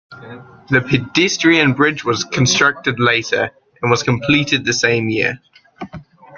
The pedestrian bridge was constructed later, and was completed the same year.